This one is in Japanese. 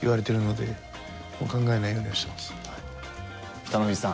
北の富士さん